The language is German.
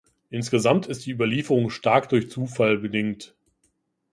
Insgesamt ist die Überlieferung stark durch Zufall bedingt.